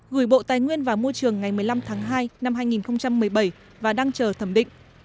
gửi bộ tài nguyên và môi trường ngày một mươi năm tháng hai năm hai nghìn một mươi bảy và đang chờ thẩm định